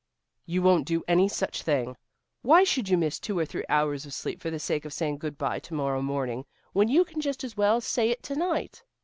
"You won't do any such thing. Why should you miss two or three hours of sleep for the sake of saying good by to morrow morning, when you can just as well say it to night?"